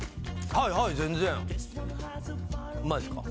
はいはい全然うまいすか？